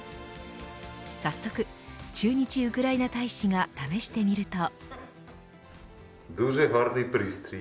早速、駐日ウクライナ大使が試してみると。